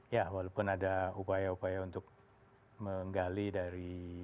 ya walaupun ada upaya upaya untuk menggali dari